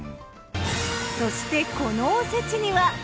そしてこのおせちには。